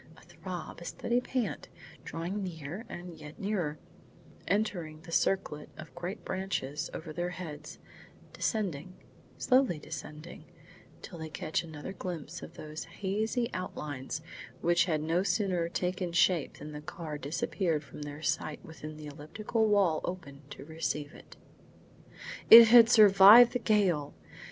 A throb a steady pant, drawing near and yet nearer, entering the circlet of great branches over their heads descending, slowly descending, till they catch another glimpse of those hazy outlines which had no sooner taken shape than the car disappeared from their sight within the elliptical wall open to receive it. It had survived the gale!